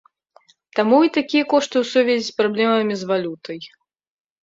Таму і такія кошты ў сувязі з праблемамі з валютай.